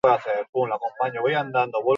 Sarrera nagusia mendebalderantz begira dago.